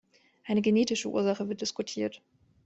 Eine genetische Ursache wird diskutiert.